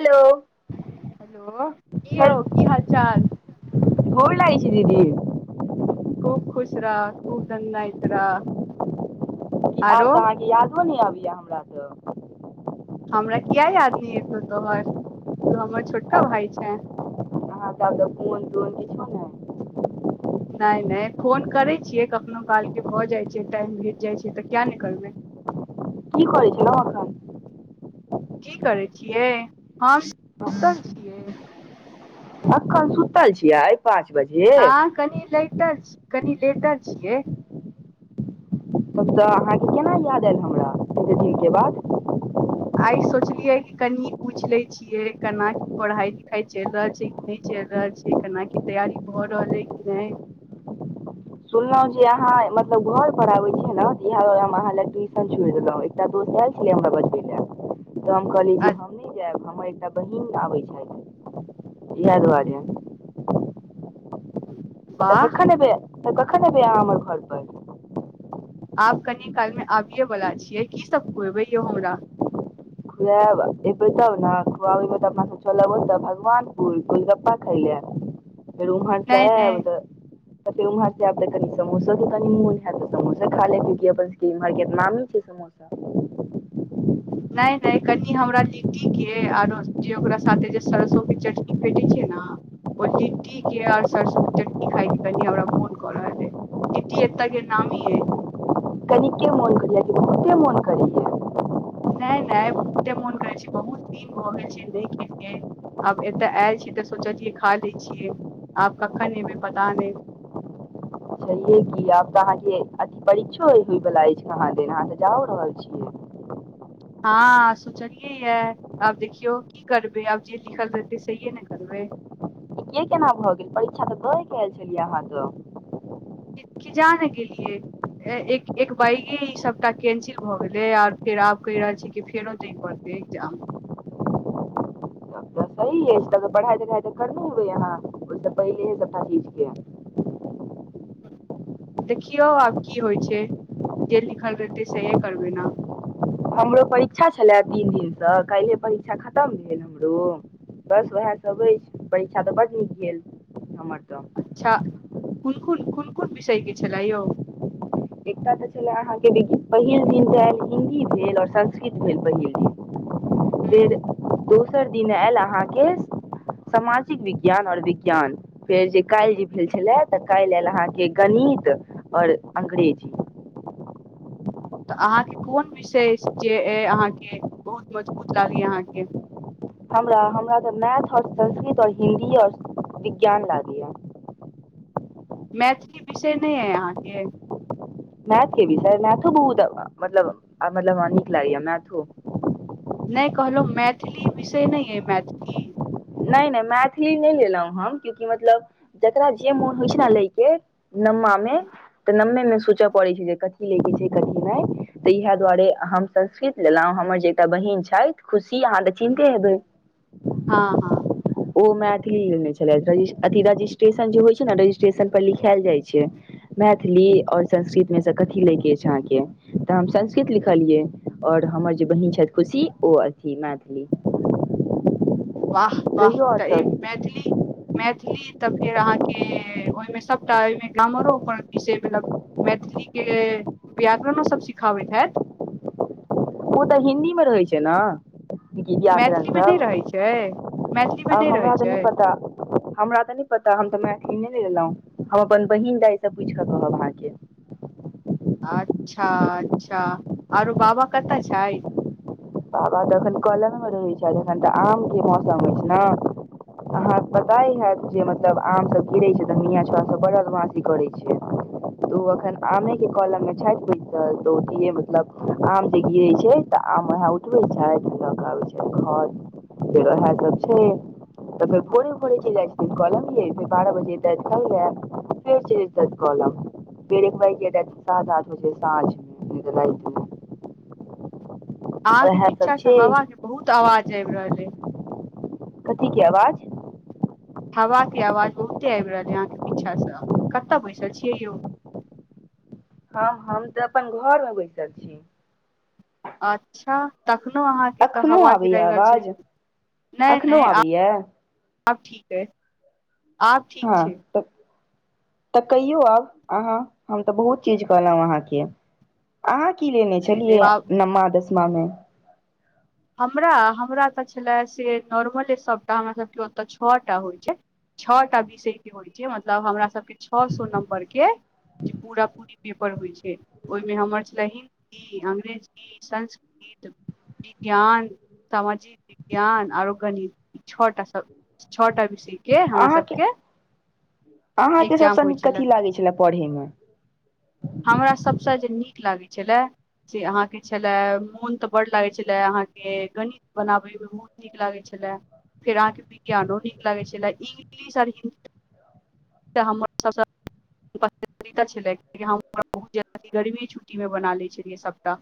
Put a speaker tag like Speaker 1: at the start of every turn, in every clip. Speaker 1: Hello
Speaker 2: hello कि
Speaker 1: हेल
Speaker 2: हौ की हाल चाल
Speaker 1: गोर लागैय छी दीदी
Speaker 2: खूब खुश रह खूब दनदनायत रह
Speaker 1: कि
Speaker 2: आरो
Speaker 1: आब तऽ अहाँके यादो नहि आबैया हमराके
Speaker 2: हमरा किया याद नहि एतौ तोहर तु हमर छोटका भाय छैय
Speaker 1: अहाँके आब त फोन तोन किछु नय
Speaker 2: नय नय फोन करै छियै कखनो कालके भऽ जाइ छै टाइम भेट जाइत छै तऽ किया नय करबै
Speaker 1: की करै छलौंहा अखन
Speaker 2: की करै छियै हम सुतल छियै
Speaker 1: अखन सुतल छिआइ
Speaker 2: हँ कनि लेट छी कनि लेटऽ छियै
Speaker 1: तऽ अहाँके केना याद आयल हमरा अते दिनके बाद
Speaker 2: आइ सोचलियै कि कनि पूछि लै छी छियै केना की पढ़ाइ लिखाइ चलि रहल छै कि नै चलि रहल छै केना की तैयारी भऽ रहल अइ कि नय
Speaker 1: सुनलहुँ जे अहाँ मतलब घर पर आबे छले कि इह अहाँ ले हम ट्यूशन छोड़ि देलहुं दोस छलै हमरा [unintelligible] तऽ हम कहलियै
Speaker 2: आ
Speaker 1: जे हम नय जायब हमर एकटा बहिन आबै छथि इएह दुआरे तऽ
Speaker 2: वाह
Speaker 1: कखन एबै तऽ कखन एबै अहाँ हमर घर पर
Speaker 2: आब कनि काल मे आबिये वालला छियै की सब खुएबै यौ हमरा
Speaker 1: खुआब अयबै तब ने खुआबै तऽ अपना सभ चलब ओतऽ भगवान फूल गोलगप्पा खै लए र उहान छै
Speaker 2: नहि
Speaker 1: ब
Speaker 2: नहि
Speaker 1: त [unintelligible] तऽ फेर उम्हर से आब त कनि समोसो के कनी मोन हेत समोसा खा ले क्याकि अपन सबके इमहर के नामी छै समो [inaudible]
Speaker 2: नय नय कनि हमरा लिट्टी के आरो जे ओकरा साथे जे सरसों के चटनी भेटै छै न ओ लिट्टी के आऔर सरसो के चटनी खाय के कनि हमरा मोन क रहल अय लिट्टी एतऽ के नामि यै
Speaker 1: कनिके मोन करैया बहुते मोन करैया
Speaker 2: नय नय बहुते मोन करै छै बहुत दिन भऽ गेल छै नय खेलियै आब एतऽ आयल छी तऽ सोचलीयै खा लै छियै आब कखन एबै पता नय
Speaker 1: कहियै की आब तऽ अहाँके अथी परीक्षो होय वला अछि कहाँ दन अहाँ तऽ जाओ रहल छियै।
Speaker 2: हँ सुचलियै किया आब देखियौ की करबै आब जे लिखल रहतै सहिए ने करबै
Speaker 1: के केना भऽ गेल परीक्षा तऽ दये कय एल छलियै अहाँ तऽ
Speaker 2: कि किजाने गेलियै ए एक एक बैगे ई सबटा कैंसिल भए गेले आर फेर आब कहि रहल छी कि फेरो परतै एग्जाम
Speaker 1: तब तऽ सही अछि पढ़ाइ तिखाइ तऽ करने हेबै यहाँ ओहिसँ पहिले हे सब चीज के
Speaker 2: देखियौ आब की होइ छै जे लिखल रहतै सेहे करबै न
Speaker 1: हमरो परीक्षा छलए तीन दिनसँ कालि परीक्षा खतम भेल हमरो बस उएह सभ अछि परीक्षा तऽ बड नीक भेल हमर तऽ
Speaker 2: अछा कुन कुन कुन कुन विषय के छलै यौ
Speaker 1: एकटा तऽ छला अहाँके पहिल दिन त आल हिन्दी भेल आओर संस्कृत भेल पहिल दिन
Speaker 2: हूँ
Speaker 1: फेर दोसर दिन आयल अहाँके सामाजिक विज्ञान आओर विज्ञान फेर जे काल्हि जे भेल छलए तऽ काल्हि आयल अहाँके गणित आओर अ्ंग्रेजी
Speaker 2: तऽ अहाँके कोन विषय अछि जे अइ अहाँके बहुत मजबूत लगैए अहाँके
Speaker 1: हमरा हमरा तऽ मैथ आओर संस्कृत आओर हिन्दी आओर विज्ञान लागैया
Speaker 2: मैथिली विषय नय अइ अहाँके
Speaker 1: मैथ के विषय मैथो बहुत मतलब मतलब नीक लागैया मैथो
Speaker 2: नहि कहलहुँ मैथिली विषय नय अइ मैथिली
Speaker 1: नय नय मैथिली नै लेलहुँ हम क्याकि मतलब जकरा जे मोन होइ छै ने लयके नम्मा मे तऽ नम्मे मे सोचय पड़ छै जे कथी लै के छै कथी नय तऽ इएह दुआरे हम संस्कृत लेलहुँ हमर जे एकटा बहिन छथि खुशी अहाँ तऽ चिन्ते हेबै
Speaker 2: हँ हँ
Speaker 1: ओ मैथिली लेने छलया रजि अथी रजिस्ट्रेशन जे होइ छै ने रजिस्ट्रेशन पर लिखायल जाइ छै मैथिली और संस्कृत मे सऽ कथी लै के अछि अहाँके तऽ हम संस्कृत लिखलियै आओर हमर जे बहीन छथि खुशी ओ अथी मैथिली
Speaker 2: वाह वाह
Speaker 1: कहियौ आओर
Speaker 2: तऽ
Speaker 1: सब
Speaker 2: एक मैथिली मैथिली तऽ फेर अहाँके ओहिमे सभटा ओहिमे कामरो पर [unintelligible] मतलब मैथिली के व्याकरणो सभ सिखाबैत हैत
Speaker 1: ओ तऽ हिन्दी मे रहै छै न व्याकरण
Speaker 2: मैथिलीमे नहि रहै छै
Speaker 1: सब
Speaker 2: मैथिलीमे नहि
Speaker 1: आब
Speaker 2: रहै
Speaker 1: हमरा तऽ
Speaker 2: छै
Speaker 1: नय पता हमरा तऽ नय पता हम तऽ मैथिली नहि लेलहुँ हम अपन बहिन दाय सऽ पूछि कऽ रहब अहाँके
Speaker 2: अच्छा अच्छा आरो बाबा कतऽ छथि
Speaker 1: बाबा त अखन कलमे मे रहै छथि अखन तऽ आम के मौसम अछि न अहाँके पताये हैत जे मतलब आम सभ गिरै छै तऽ मिंयां छोरा सभ बर बदमासी करै छै तऽ ओ एखन आमे के कलम मे छथि तऽ मतलब आम जे गिरै छै तऽ आम उहे ल के आबै छै घर फेर ओएह सब छै तऽ फेर [unintelligible] भोरे भोरे चलि जाई छथि कलम यै फेर बारह बजे [unintelligible] कलम बेर भइ सा [unintelligible] त आथ हो छै सा ल
Speaker 2: अहाँ के
Speaker 1: ओएह
Speaker 2: पीछा
Speaker 1: सब
Speaker 2: से
Speaker 1: छै
Speaker 2: हवा के बहुत आवाज आबि रहल अछि
Speaker 1: कथी के आवाज
Speaker 2: हवाके आवाज बहुते आबि रहल अहाँके पीछासँ कतय बैसल छियै यौ
Speaker 1: हम हम तऽ अपन घर मे बैसल छी
Speaker 2: अच्छा तखनो अहाँके तऽ
Speaker 1: अखनो
Speaker 2: हवा
Speaker 1: आबैये
Speaker 2: गिराए रहल छै
Speaker 1: आवाज
Speaker 2: नय
Speaker 1: एखनो
Speaker 2: नय आब
Speaker 1: आबैया
Speaker 2: आब ठीक अइ आब ठीक
Speaker 1: हँ
Speaker 2: छै
Speaker 1: तऽ तऽ कहियो आब आहाँ हम तऽ बहुत चीज कहलहुं अहाँके अहाँ की लेने
Speaker 2: नहि नहि
Speaker 1: छलियै
Speaker 2: बाप
Speaker 1: नमा दसमा मे
Speaker 2: हमरा हमरा तऽ छलए से नॉर्मले सभटा हमरासभके ओतय छऽ टा होइ छै छऽटा विषय के होइ छै मतलब हमरा सभके छ सो नम्बर के जे पूरा पूरी पेपर होइ छै ओहिमे हमर छलहन ई अंग्रेजी संस्कृत ज्ञान सामाजिक विज्ञान आरोग्य नीति छ टा छटा विषय के हमरा सभ
Speaker 1: अहाँके
Speaker 2: के
Speaker 1: अहाँके
Speaker 2: एग्जाम
Speaker 1: सभसँ
Speaker 2: होइ
Speaker 1: नीक
Speaker 2: छलै
Speaker 1: कथी लागै छलए पढ़यमे
Speaker 2: हमरा सभसँ जे नीक लागै छलै से अहाँके छलय मोन तऽ बड्ड लागै छलै अहाँके गणित बनाबै मे बहुत नीक लागै छलए फेर अहाँके विज्ञानो नीक लागै छलै इंग्लिश आओर हिन्दी त हमर सबसँ पसन्दीदा छलै किआकि हमरा बहुत जाद गर्मी छुट्टीमे बना लै छलियै सभटा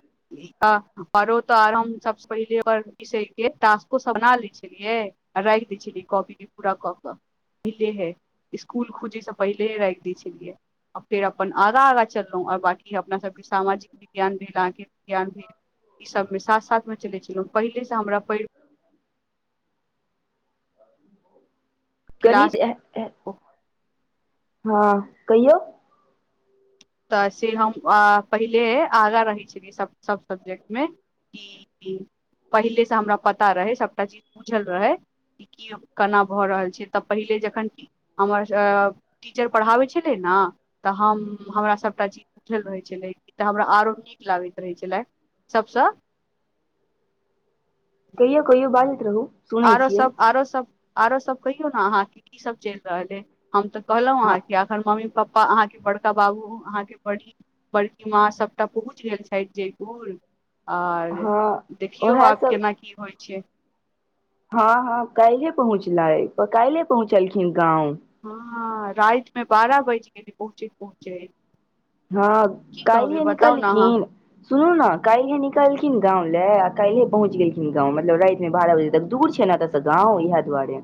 Speaker 2: आरो तऽ आर हम सबस पहिले ओर विषय के टास्को सब बना लै छलियै राखि दै छलियै कॉपी के पूरा कऽ क पहिलेहे स्कुल खुजैय से पहिलेहे राखि दै छलियै आ फेर अपन आगाँ आगाँ चललहुँ आओर बाँकी अपना सबके सामाजिक विज्ञान भेल अहांके विज्ञान भेल ई सब मे साथ साथ मे चले छलहु पहिले से हमरा प
Speaker 1: ह गणित
Speaker 2: क्लास
Speaker 1: हे हे कहियौ
Speaker 2: तऽ से हम आ पहिलेहे आगाँ रहै छलै सब सब्जेक्ट मे पहिलेसँ हमरा पता रहै सभटा चीज बुझल रहै की केना भऽ रहल छै तऽ पहिले जखन हमर टीचर पढ़ाबै छलै ने तऽ हम हमरा सभटा चीज बुझल रहै छलै कि तऽ हमरा आरो नीक लागैत रहै छलै सभसँ
Speaker 1: कहियो कहियो बाजैत रहू सुनै
Speaker 2: आरो
Speaker 1: छियै
Speaker 2: सभ आरो सभ आरो सभ कहियौ ने अहाँके कीसभ चलि रहल अइ हम तऽ कहलहुं
Speaker 1: हँ
Speaker 2: अहाँके अखन मम्मी पप्पा अहाँके बड़का बाबू अहाँके बड़ी बड़की माँ सभटा पहुँच गेल छथि जयपुर आर
Speaker 1: हँ
Speaker 2: देखियौ
Speaker 1: उएह
Speaker 2: आब
Speaker 1: सब
Speaker 2: केना की होइ छै
Speaker 1: हँ हँ काल्हि पहुँचलै काल्हि पहुँचलखिन गाँंव
Speaker 2: हँ रातिमे बारह बाजि गेल पहुँचैत पहुँचैत
Speaker 1: हँ
Speaker 2: की कहबै
Speaker 1: काल्हिये
Speaker 2: बताउ
Speaker 1: निकलल
Speaker 2: ने अहाँ
Speaker 1: खिन सुनू ने काइल्हे निकल खिन गाँंव लए आ काइल्हे पहुच गेलखिन गाँव मतलब राति मे बारह बजे तक दूर छै ने तऽ तऽ गाँव इएह दुआरे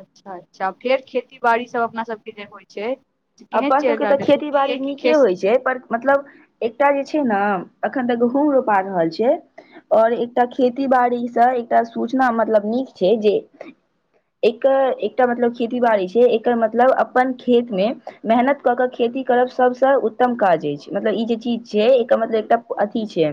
Speaker 2: अच्छा अच्छा फेर खेतीबाड़ी सभ अपना सबके जे होइ छै से केहन
Speaker 1: अपन
Speaker 2: चलि
Speaker 1: सभके तऽ
Speaker 2: रहल अइ
Speaker 1: खेती बाड़ी
Speaker 2: सुनलियै कि
Speaker 1: नीके
Speaker 2: खेत
Speaker 1: होइ छै पर मतलब एकटा जे छै न अखन तऽ गहूंम रोपा रहल छै आओर एकटा खेती बाड़ीसँ एकटा सूचना मतलब नीक छै जे एकर एकटा मतलब खेती बाड़ी छै एकर मतलब अपन खेत मे मेहनत कऽ कऽ खेती करब सभसँ उत्तम काज अछि मतलब ई जे चीज छै एकर मतलब एकटा अथी छै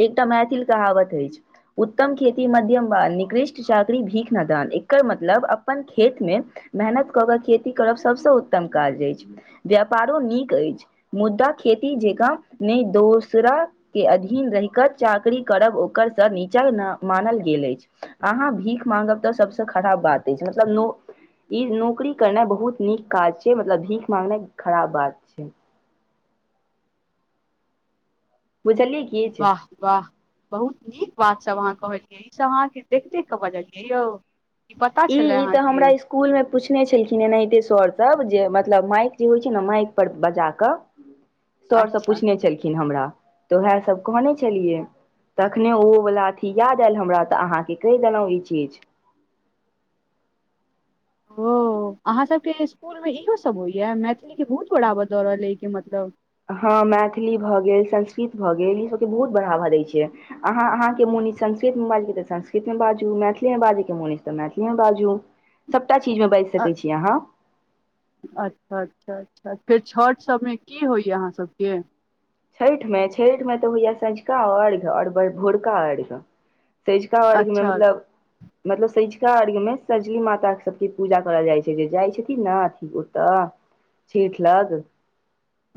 Speaker 1: एकटा मैथिल कहावत अछि उत्तम खेती मध्यम वान निकृष्ट चाकरी भीख नदान एकर मतलब अपन खेत मे मेहनत कऽ कऽ खेती करब सभसँ उत्तम काज अछि व्यापारो नीक अछि मुद्दा खेती जगाँ नय दोसरा के अधीन रहि कऽ चाकरी करब ओकर सँ नीचा न मानल गेल अछि आहाँ भीख मागब तऽ सभसँ खराब बात अछि मतलब न ई नौकरी करनाइ बहुत नीक काज छै मतलब भीख मांगनाइ खराब बात छै बुझलियै किछ
Speaker 2: वाह वाह बहुत नीक बात सब अहाँ कहलियै ई सब अहाँके देखि देख कऽ बजलियै यौ ई पता छलै
Speaker 1: ई तऽ
Speaker 2: अहाँके
Speaker 1: हमरा स्कूल मे पूछने छलखिन एनाहिते सर सब जे मतलब माइक जे होइ छै ने माइक पर बजाक
Speaker 2: [inaudible]
Speaker 1: सर सब
Speaker 2: अच्छा
Speaker 1: पूछने छलखिन हमरा तऽ उएह सभ कहने छलियै तखने ओ वला अथी याद आयल हमरा तऽ अहाँके कहि देलहुँ ई चीज
Speaker 2: ओ आहाँ सबके स्कुल मे इहो सब होइया मैथिली के बहुत बड़ाब दऽ रहल य अइ के मतलब
Speaker 1: हँ मैथिली भऽ गेल संस्कृत भऽ गेल ई सभके बहुत बढ़ावा दै छै अहाँ अहाँके मुन यै संस्कृत मे बाजै के तऽ संस्कृत मे बाजू मैथिली मे बाजै के मुन अछि तऽ मैथिली मे बाजू सभटा चीज मे बाजि
Speaker 2: अ-
Speaker 1: सकै छी अहाँ
Speaker 2: अच्छा अच्छा अच्छा अच्छा फेर छठ सब मे की सब होइए अहाँ सबके
Speaker 1: छठिमे छठि मे तऽ होइया सँझुका अर्घ्य आओर भोरका अर्घ्य सैंझका अर्घ्य मे
Speaker 2: अच्छा
Speaker 1: मतलब मतलब सँझुका अर्घ्य मे सँझकी माता सबके पूजा करल जाइ छै जे जाइ छथिन ने अथि ओतऽ छीठ लग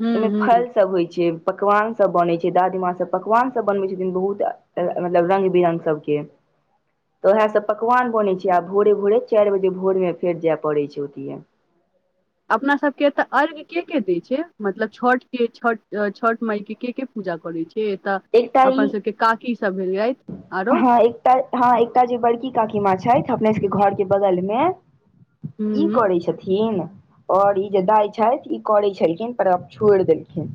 Speaker 2: हूँ हूँ
Speaker 1: फल सब होइ छै पकवान सब बनै छै दादीमाँ सब पकवान सब बनबै छथिन बहुत मतलब रंग बिरंग सब के तऽ उएह सब पकवान बनै छै आ भोरे भोरे चारि बजे भोर मे फेर जाय पड़ै छै ओतय
Speaker 2: अपना सबके तऽ अर्य्घ के के दय छै मतलब छठ के छठ छठ माई के के के पूजा करै छै एतऽ
Speaker 1: एकटा ई
Speaker 2: अपन सबके काकी सब भेलथि आरो
Speaker 1: त हँ एकटा जे बड़की काकी मां छथि अपने सबके घर के बगल मे ई
Speaker 2: हूँ
Speaker 1: करै छथिन आओर ई जे दाय छथि ई करै छलखिन पर आब छोड़ देलखिन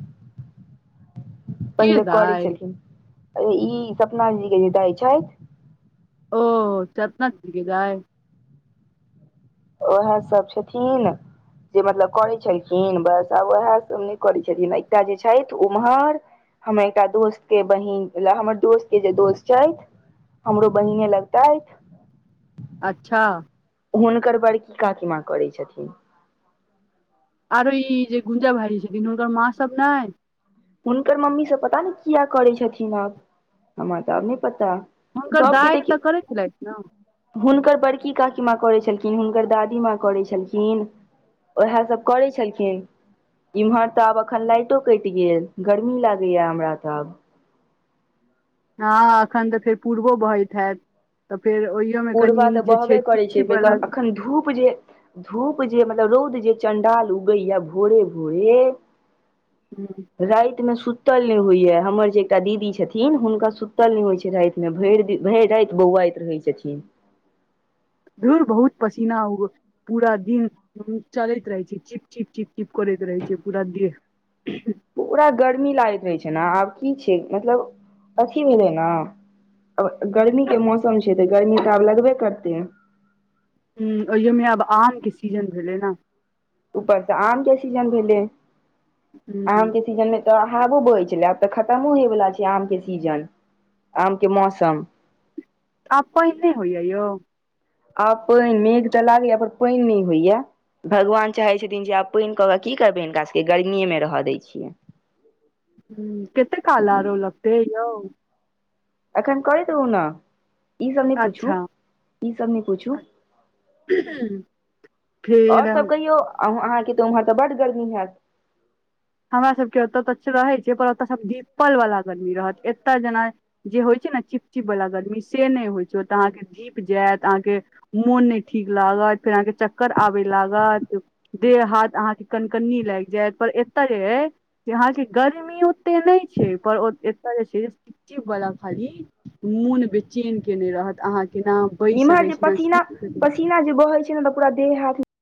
Speaker 2: के
Speaker 1: पहिले करै
Speaker 2: दाइ
Speaker 1: छलखिन ई सपना जी के जे दाय छै
Speaker 2: ओ चतना छिक गाय
Speaker 1: उएह सभ छथिन जे मतलब करै छलखिन बस आब उएह सब नहि करै छथिन एकटा जे छथि उम्हर हमर एकटा दोस्त के बहिन छलै हमर दोस्त के जे दोस्त छथि हमरो बहिने लगतथि
Speaker 2: अच्छा
Speaker 1: हुनकर बड़की काकिमां करै छथिन
Speaker 2: आओरो ई जे गूंजा भाइजी छथिन हुनकर माँ सब नहि
Speaker 1: हुनकर मम्मी सब पता नै किया करै छथिन आब हमरा तऽ आब नय पता
Speaker 2: हुनकर
Speaker 1: सभके
Speaker 2: दाइ तऽ
Speaker 1: देखियौ
Speaker 2: करै छलथि ने
Speaker 1: हुनकर बड़की काकी माँ करै छलखिन हुनकर दादी माँ करै छलखिन ओएह सब करै छलखिन इम्हर तऽ आब अखन लाइटो कटि गेल गर्मी लागैया हमरा तऽ आब
Speaker 2: हँ अखन तऽ फेर पूर्बो बहति हैत तऽ फेर ओहि
Speaker 1: पूरवा तऽ बहबे करै छै फेर एखन धूप जे धूप जे मतलब रौद जे चंडाल उगैया भोरे भोरे
Speaker 2: हूं
Speaker 1: राति मे सुतल नय होइया हमर जे एकटा दीदी छथिन हुनका सुतल नय होइ छै राति भरि दिन भरि राति बौआइत रहै छथिन
Speaker 2: धूर बहुत पसीना पूरा दिन चलति रहै छै चिप चिप चिप चिप करति रहै छै पूरा देह [unintelligible]
Speaker 1: पूरा गर्मी लागैत रहै छै न आब की छै मतलब अथी भेलै न आब गर्मी के मौसम छै तऽ गर्मी तऽ आब लगबे करतेै
Speaker 2: ह ओहियमे आब आमके सीजन भेलै न
Speaker 1: ऊपरसँ आम के सीजन भेले
Speaker 2: ह
Speaker 1: आम के सीजन मे तऽ हावो बहै छले आब तऽ खतमो होय वला छै आम के सीजन आम के मौसम
Speaker 2: आब पइन नय होइया यौ
Speaker 1: आब पइन तऽ लागैया पर पनि नय होइया भगवान चाहै छथिन जे आब पनि कऽ क की करबै हिनका सभके गर्मीएमे रह दै छियै
Speaker 2: हूं कते काल आरो लगतै यौ
Speaker 1: अखन करैत रहू न ई सब नय पुछू
Speaker 2: अच्छा
Speaker 1: ई सब नय पुछू
Speaker 2: फेर
Speaker 1: अहुं अहाँके तऽ उम्हर बड गर्मीहायत
Speaker 2: हमरा सबके ओतय तऽ रहै छै पर ओतय सब धीपल वला गर्मी रहत एतय जेना जे होइ छै ने चिपचिप वला गरमी से नहि होइ छै ओतऽ अहाँके धीप जायत अहाँके मोन नय ठीक लागत फेर अहाँके चक्कर आबै लागत देह हाथ अहाँके कनकनी लागि जायत पर ए त जे अय से अहाँके गर्मी ओते नय छै पर एतय जे छै से चिप वला खाली मुन बेचेन केने रहत अहाँके नाम बैस सकै छी ना सुति सकै छी
Speaker 1: बोहइ छै ने त पुरा देह हाथ